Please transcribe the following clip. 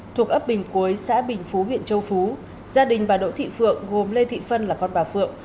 thuộc ấp bình cuối xã bình phú huyện châu phú gia đình bà đỗ thị phượng gồm lê thị phân là con bà phượng